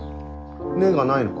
根がないのか？